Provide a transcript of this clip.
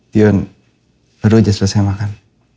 tiun baru aja selesai makan